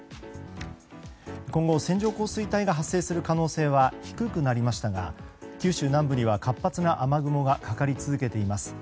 今後、線状降水帯が発生する可能性は低くなりましたが九州南部には活発な雨雲がかかり続けています。